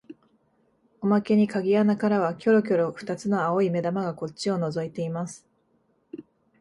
おまけに鍵穴からはきょろきょろ二つの青い眼玉がこっちをのぞいています